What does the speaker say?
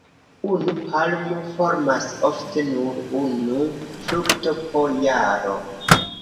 Unu palmo formas ofte nur unu frukto po jaro.